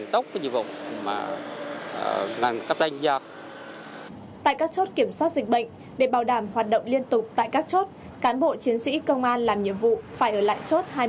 tại các chốt kiểm soát dịch bệnh để bảo đảm hoạt động liên tục tại các chốt cán bộ chiến sĩ công an làm nhiệm vụ phải ở lại chốt hai trăm linh